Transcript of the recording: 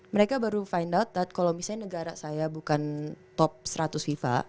mereka baru find out that kalau misalnya negara saya bukan top seratus fifa